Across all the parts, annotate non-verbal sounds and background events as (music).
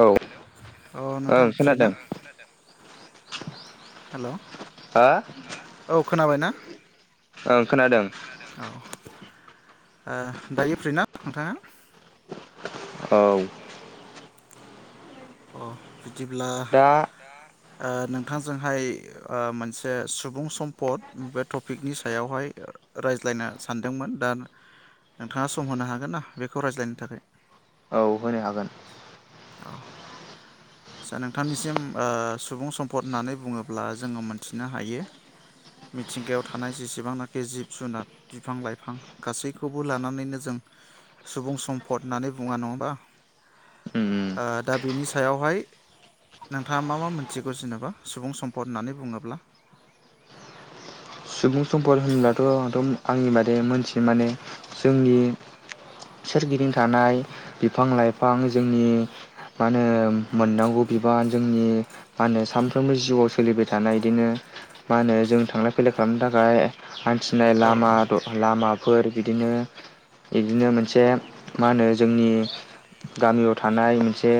औ हेलौ औ नोंथां ओं फ्रि खोनादों ना? हेलौ हा खोनाबाय ना? ओं खोनादों औ ओ दायो फ्रिना नोंथाङा? औ अ बिदिब्ला दा ओ नोंथांजोंहाय ओ मोनसे सुबुं सम्पद बे टपिकनि सायावहाय रायज्लायनो सान्दोंमोन दा नोंथाङा सम होनो हागोन ना बेखौ रायज्लायनो थाखाय? औ होनो हागोन औ आसा नोंथांनिसिम सुबुं सम्फद होन्नानै बुङोब्ला जोङो मोनथिनो हायो मिथिंगायाव थानाय जेसेबांनाखि जिब जुनार बिफां लाइफां गासैखौबो लानानैनो जों सुबुं सम्पद होन्नानै बुङा नङा होमबा? उम ओ दा बिनि सायावहाय नोंथाङा मा मा मोन्थिगौ जेनेबा सुबुं सम्पद होन्नानै बुङोब्ला? सुबुं सम्पद होनब्लाथ आंथ आंनि बादि मोन्थियो माने जोंनि सोरगिदिं थानाय बिफां लाइफां जोंनि मा होनो मोन्नांगौ बिबान जोंनि मा होनो सानफ्रोमबो जिउआव सोलिबाय थानाय इदिनो मा होनो जों थांलाय फैलाय खालामनो थाखाय हान्थिनाय औ लामा औ द लामाफोर बिदिनो बिदिनो मोनसे मा होनो जोंनि गामियाव थ थानाय मोनसे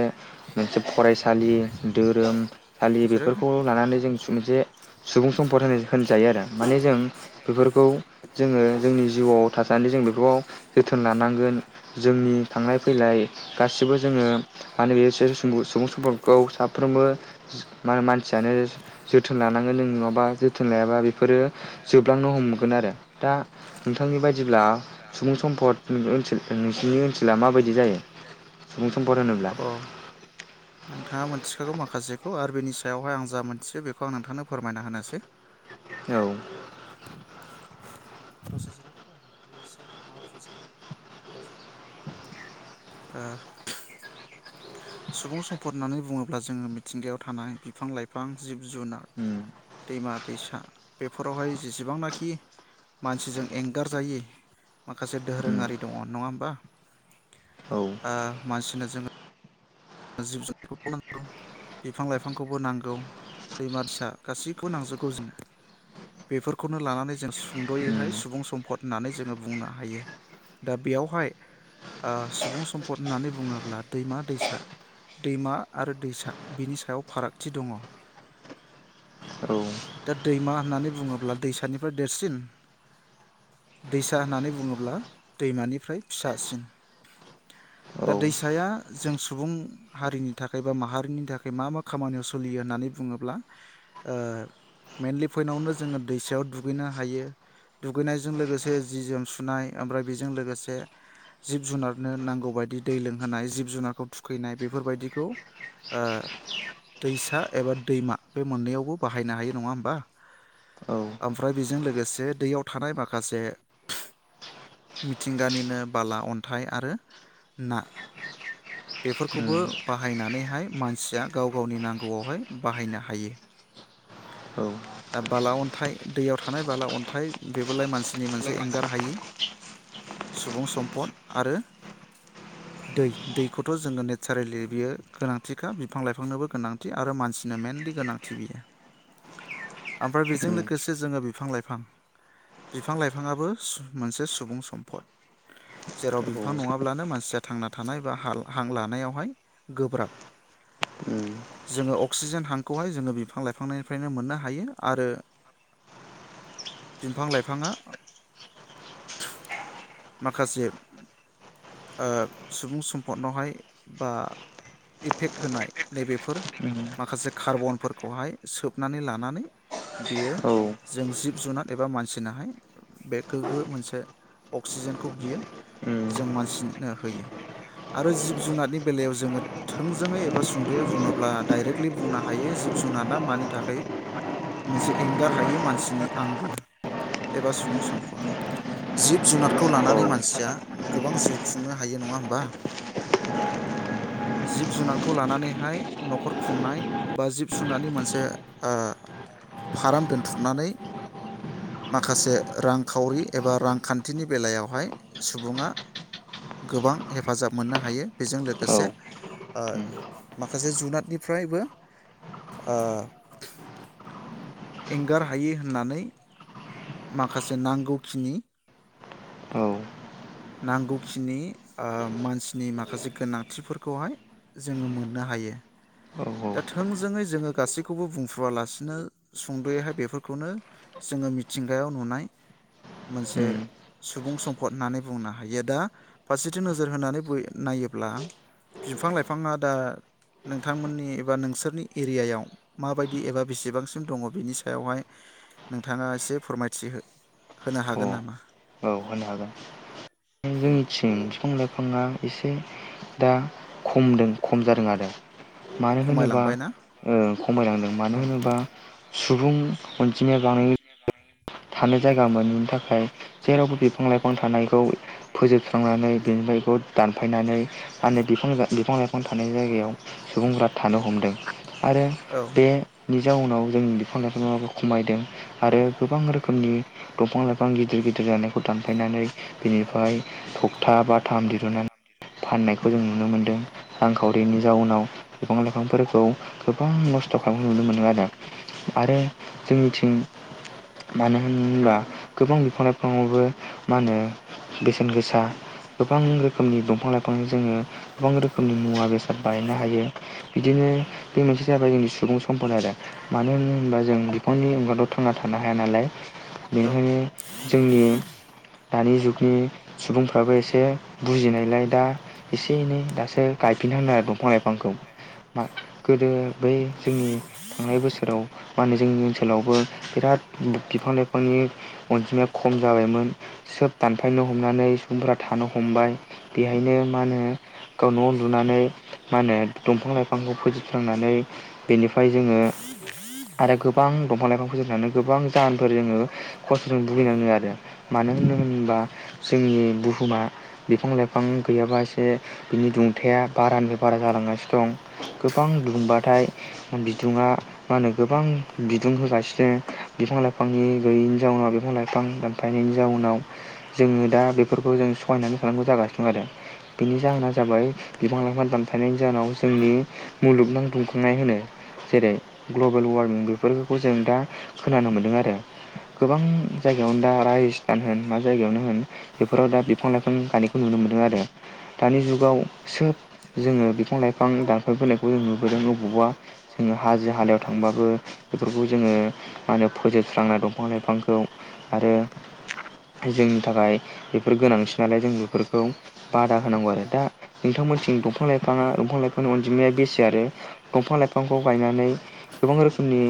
मोनसे फरायसालि धोरोमसालि जेरै बेफोरखौ लानानै जों मोनसे सुबुं सम्पद होन होनजायो आरो माने जों बेफोरखौ जोङो जोंनि जिउआव थासान्दै जों बेखौ जोथोन लानांगोन जोंनि थांलाय फैलाय गासिबो जोङो माने बे सुबुं सम्फोरखौ साफ्रोमबो मा मानसियानो जोथोन लानांगोन जों नङाबा जोथोन लायाबा बेफोरो जोबलांनो हमगोन आरो दा नोंथांनि बायदिब्ला सुबुं सम्फद ओन्सोल नोंसिनि ओन्सोला माबायदि जायो? सुबुं सम्पद होनोब्ला अ नोंथाङा मोन्थिखागौ माखासेखौ आरो बेनि सायावहाय आं जा मोन्थियो बेखौ आं नोंथांनो फोरमायना होनोसै। औ प्रसिजार बेसे माबा प्रजेक्टनि (unintelligible) सुबुं सम्पद होन्नानै बुङोब्ला जोङो मिथिंगायाव थानाय बिफां लाइफां, जिब जुनार, उम दैमा दैसा बेफोरावहाय जेसेबांनाखि मानसिजों एंगारजायि माखासे उम दोरोङारि दङ नङा होमबा। औ ओ मानसिनो जोङो जिब जुनारखौबो नांगौ बिफां लाइफांखौबो नांगौ दैमा दैसा गासैखौबो नांजोबगौ जोनो बेफोरखौनो लानानै जों उम सुंदयैहाय सुबुं सम्फद होन्नानै जोङो बुंनो हायो। दा बेयावहाय सुबुं सम्फद होन्नानै बुङोब्ला दैमा दैसा दैमा आरो दैसा बिनि सायाव फारागथि दङ। औ दा दैमा होन्नानै बुङोब्ला दैसानिफ्राय देरसिन दैसा होन्नानै बुङोब्ला दैमानिफ्राय फिसासिन। दा औ दैसाया जों सुबुं हारिनि थाखाय बा माहारिनि थाखाय मा मा खामानियाव सोलियो होन्नानै बुङोब्ला ओ मेनलि फइनावनो जोङो दैसायाव दुगैनो हायो दुगैनायजों लोगोसे जि जोम सुनाय ओमफ्राय बेजों लोगोसे जिब जुनारनो नांगौ बायदि दै लोंहोनाय जिब जुनारखौ थुखैनाय बेफोरबायदिखौ ओ दैसा एबा दैमा बे मोननैयावबो बा बाहायनो हायो नङा होमबा औ ओमफ्राय बेजों लोगोसे दैयाव थानाय माखासे मिथिंगानिनो बाला अन्थाय आरो ना उम बेफोरखौबो बाहायनानैहाय मानसिया गाव गावनि नांगौआवहाय बाहायनो हायो। औ उम औ उम औ दा बाला अन्थाय दैयाव थानाय बाला अन्थाय बेबोलाय मानसिनि मोनसे एंगार हायि सुबुं सम्पद आरो दै दैखौथ जोङो नेचारेलि बियो गोनांथिखा बिफां लाइफांनोबो गोनांथि आरो मानसिनो मइेनलि गोनांथि बियो। ओमफ्राय उम औ बेजों उम लोगोसे जोङो बिफां लाइफां बिफां। लाइफाङाबो मोनसे सुबुं सम्फद। औ जेराव औ बिफां नङाब्लानो मानसिया थांना थानाय बा हां लानायावहाय गोब्राब। जोङो अक्सिजेन हांखौहाय जोङो बिफां लाइ बिफांनिफ्रायनो मोन्नो हायो आरो बिफां लाइफाङा माखासे ओ सुबुं सम्फदनावहाय बा इफेक्ट होनाय नैबेफोर माखासे कार्बनफोरखौहाय सोबनानै लानानै बियो जों जिब जुनार एबा मानसिनोहाय बे गोग्गो मोनसे अक्सिजेनखौ बियो जों मानसिनो होयो आरो जिब जुनारनि बेलायाव जोङो थोंजोङै एबा सुंदयै बुङोब्ला डाइरेक्टलि बुंनो हायो जिब जुनार माने थाखाय एंगार हायो मानसिनि आंगो एबा सुबुं सम्फद। जिब जुनारखौ लानानै मानसिया गोबां जिउ खुंनो हायो नङा होमबा। जिब जुनारखौ लानानैहाय नखर खुंनाय बा जिब जुनारनि मोनसे ओ फार्म दोन्थुमनानै माखासे रांखावरि एबा रांखान्थिनि बेलायावहाय सुबुङा गोबां हेफाजाब मोन्नो हायो बेजों लोगोसे ओ उम अ माखासे जुनादनिफ्रायबो ओ एंगार हायि होन्नानै माखासे नांगौखिनि औ नांगौखिनि ओ मानसिनि माखासे गोनांथिफोरखौहाय जोङो मोन्नो हायो। दा थोंजोङै जोङो गासैखौबो बुंफुवालासिनो सुंदयैहाय बेफोरखौनो जोङो मिथिंगायाव नुनाय मोनसे सुबुं सम्फद होन्नानै बुंनो हायो दा फारसेथिं नोजोर होनानै नायोब्ला बिफां लाइफाङा दा नोंथांमोननि एबा नोंसोरनि एरियायाव माबायदि एबा बेसेबांसिम दङ बिनि सायावहाय नोंथाङा एसे फोरमायथि होनो हागोन नामा? औ होनो हागोन जोंनिथिं बिफां लाइफाङा एसे दा खमदों खम जादों आरो मानो होनोबा खमायलांबाय ना ओ खमायलांदों औ मानो होनोबा सुबुं अनजिमाया (inaudible) थानायानो जायगा मोन नि थाखाय जेरावबो बिफां लाइफां थानायखौ फोजोबस्रांनानै बेनिफ्रायखौ दानफायनानै माने बिफां लाइफां थानाय जायगायाव सुबुंफोरा थानो हमदों आरो औ बेनि जाउनाव जों बिफां लाइफांआ खमायदों आरो गोबां रोखोम (unintelligible) दंफां लाय गोबां गिदिर गिदिर जानायखौ दानफायनानै बिनिफ्राय थखथा बाथाम दिहुनन्नानै फाननायखौ जों नुनो मोन्दों रांखावरिनि जाउनाव बिफां लाइफांफोरखौ गोबां नस्थ खालामनाय नुनो मोनदों आरो आरो जोंनिथिं मानो होनबा गोबां बिफां लाइफांङावबो मा होनो बेसेन गोसा गोबां रोखोमनि दंफां लाइफांजों जोङो गोबां रोखोमनि मुवा बेसाद बायनो हायो। बिदिनो बे मोनसे जाबाय जोंनि सुबुं सम्पद आरो मानो होन होनोबा जों बिफांनि अनगादाव थांना थानो नालाय औ बेनिखायनो जोंनि दानि जुगनि सुबुंफ्राबो एसे बुजिनायलाय दा एसे एनै दासो गायफिनथांगोन आरो दंफां लाइफांखौ मा गोदो बै जोंनि थांनाय बोसोराव मा होनो जोंनि ओनसोलावबो बिराद बिफां लाइफांनि अन अनजिमाया खम जाबायमोन सोब हमनानै दानफायनो सुबुंफोरा हमनानै थानो सुबुंफोरा हमबाय थानो हमबाय बेहायनो मा होनो बेहायनो मा होनो गाव न' गाव लुनानै न' लुनानै मा होनो मा होनो दंफां लाइफांखौ दंफां लाइफांखौ फोजोबस्रांनानै फोजोबफ्रांनानै बेनिफ्राय जोङो बेनिफ्राय जों आरो गोबां ङो आरो दंफां गोबां लाइफांखौ दंफां जोबनानै लाइफां गोबां जाहोनफोर जोंङो खस्थजों बु मानो होन होनोबा जोंनि बुहुमा बिफां लाइफां गैयाबा एसे बिनि दुंथाया बारानिफाय बारा जालांगासिनो दं गोबां दुंबाथाय बिदुुंआ मा होनो गोबां बिदुं होगासिनो बिफां लाइफांनि गैयिनि जाउनाव बिफां लाइफां फां दानफायनायनि जाउनाव जोंङो दा बेफोरखौ जों सहायनानै थानांगौ जागासिनो दं आरो बेनि जाहोना जाबाय बिफां लाइफां दानफायनायनि जाहोनाव जोंनि मुलुगनां दुंखांनाय होनो। जेरै ग्लबेल वारमिं बेफोरखौ जों दा खोनानो मोनदों आरो गोबां जायगायावनो दा रायजोस्थान होन मा जायगायावनो होन बेफोराव दा बिफां लाइफां गायनायखौ नुनो मोनदों आरो दानि जुगाव सोब जोंङो बिफां लाइफां दानफायबोनायखौ जों नुबोदों बबावबा जोंङो हाजो हालायाव थांबाबो बेफोरखौ जोंङो मा होनो फोजोबस्राङो दंफां लाइफांखौ आरो बे जोंनि थाखाय बेफोर गोनांथि नालाय जों बेफोरखौ बादा होनांगौ आरो दा नोंथांमोनथिं दंफां लाइफाङा दंफां लाइफांनि अनजिमाया बेसे आरो दंफां लाइफांखौ गायनानै गोबां रोखोमनि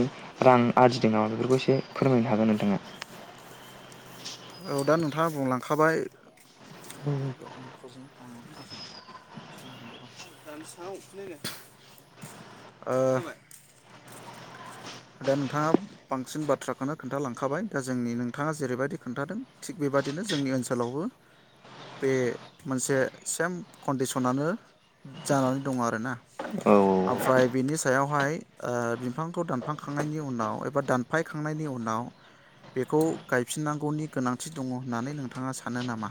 रां आरजि दों नामा बेफोरखौ एसे फोरमायनो हागोन नोंथाङा औ‌ दा नोंथां आ बुंलांखाबाय र आं (unintelligible) (unintelligible) ओ दा नोंथाङा बांसिन बाथ्राखौनो खोन्थालांखाबाय दा जोंनि नोंथाङा जेरैबायदि खोन्थादों थिग बेबादिनो जोंनि ओनसोलावबो बे मोनसे सेम कन्डिसनानो जानानै दं आर ओना औ ओमफ्राय बिनि सायावहाय ओ बिफांखौ दान फांखांनायनि उनाव एबा दानफायखांनायनि उनाव बेखौ गायफिननांगौनि गोनांथि दंङ होननानै नोंथाङा सानो नामा?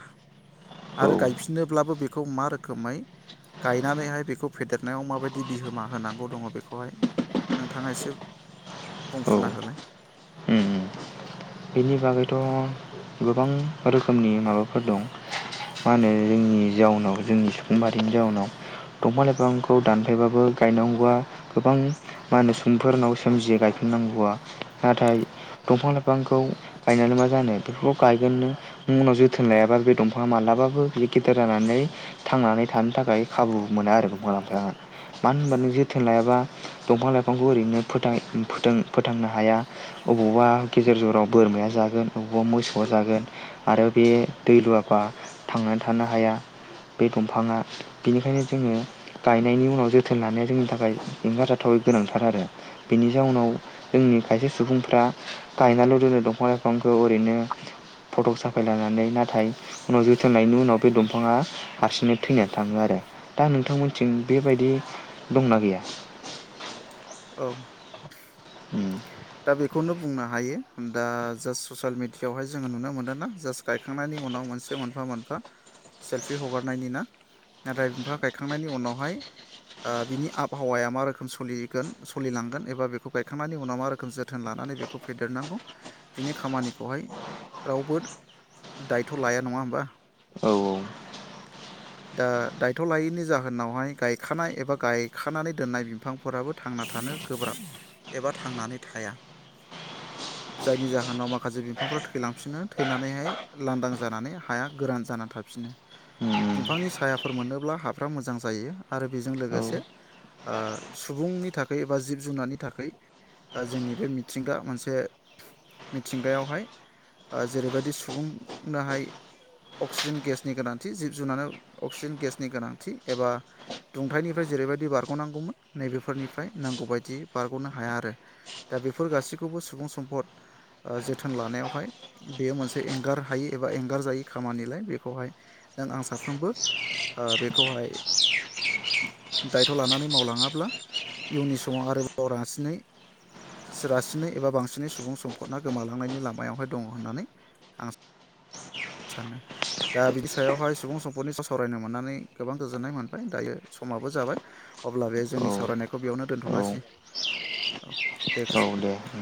औ आरो गायफिनोब्लाबो बे खौ मा रोखोमै गायनानैहाय बेखौ फेदेरनायाव माबायदि बिहोमा होनांगौ दंङ बेखौहाय नोंथाङा एसे औ बुंंफ्रुना होलाय बेनि बागैथ गोबां रोखोमनि माबाफोर दं मा होनो जोंनि जाउनाव जोंनि सुबुं मारिनि जाउनाव दंफां लाइफांखौ दानफायबाबो गायनांगौआ गोबां मा होनो समफोरनाव सोमजियो गायफिननांगौआ नाथाय दंफां लाइफां बिफांखौ गायनानै मा जानो बेफोरखौ गायगोननो उनाव जोथोन लायाबा बे दंफाङा मालाबाबो बि गेदेर जानानै थांनानै थानो थाखाय खाबु मोना आरो दफां लाइफाङा जोथोन लायाबा दंफां लाइफांखौ ओरैनो फोथां फोथांनो हाया अबावबा बबेबा गेजेर जराव बोरमाया जागोन बवा मोसौआ जागोन आरो बे दै लुवाबा थांनानै थानो हाया बे दंफाङा बेनिखायनो जोङो गायनायनि गाय उनाव जोथोन लानाया जोंनि थाखाय एंगारजाथावै गोनांथार आरो बेनि जाउनाव जोंनि खायसे सुबुंफ्रा। गायनाल दोनो दंफां लाइफांखौ ओरैनो फटक साफायलायनानै नाथाय उनाव जोथोननायनि उनाव बे दंफाङा हारसिंनो थैनानै थाङो आरो दा नोंथांमोनथिं बेबायदि दंना गैया। औ दा (inaudible) बेखौनो बुंनो हायो दा जास्ट ससियेल मेडिया आवहाय जोङो नुनो मोनो ना जास्ट गायखांनायनि उनाव मोनसे मोनफा मोनफा सेल्फि हगारनायनि ना नाथाय बिफां गायखांनायनि उनावहाय। ओ बिनि आबहावाया मा रोखोम सलिगोन सलिलांगोन एबा बेखौ गायखांनायनि उनाव मा रोखोम जोथोन लानानै बेखौ फेदेरनांगौ बिनि खामानिखौहाय रावबो दायथ लाया नङा होमबा औ ओ उम दा दायथ लायैनि जाहोनावहाय गायखानाय। एबा गायखानानै दोननाय बिफांफोराबो थांना थानो गोब्राब एबा थांनानै थाया जायनि जाहोनाव माखासे बिफांफ्रा थैलांफिनो थैनानैहाय लांदां जानानै हाया गोरान जानानै थाफिनो बिफांनि सायाफोर मोनोब्ला हाफ्रा मोजां जायो आरो। बेजों उम लोगोसे ओ सुबुंनि थाखाय एबा जिब जुनारनि थाख ओ जोंनि बे मिथिंगा मोनसे मिथिंगायावहाय ओ जेरैबायदि सुबुंनोहाय अक्सिजेन गेसनि गोनांथि जिब जुनारानो अक्सिजेन गेसनि गोनांथि एबा। दुंथाइनिफ्राय जेरैबायदि बारगनांगौमोन नैबेफोरनिफ्राय नांगौबायदि बारगनो हाया आरो दा बेफोर गासैखौबो सुबुं सम्फद ओ जोथोन लानायावहाय बेयो मोनसे एंगार हायि एबा एंगार जायि खामानिलाय बेखौहाय नों आं साफ्रोमबो ओ बेखौहाय। दायथ लानानै मावलाङाब्ला इयुननि समाव आरोबाव रासिनै रासिनै एबा बांसिनै सुबुं सम्फदना गोमालांनायनि लामायावहाय दङ होननानै आं सानो। आ सानो दा बिनि सायावहाय सुबुं सम्फनि सावरायनो मोननानै गोबां गोजोननाय मोनबाय दायो समाबो जाबाय अब्ला बे औ जोंनि सावरायनायखौ बेयावनो औ दोनथनोसै औ दे गोजोन। औ दे उम